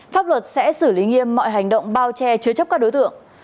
pháp luật sẽ xử lý nghiêm mọi hành động bao che chứa chấp các đối tượng